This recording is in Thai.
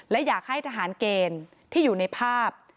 และอยากให้ทหารเกณฑ์ที่อยู่ในภาพ